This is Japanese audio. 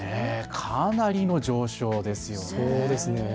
かなりの上昇ですよね。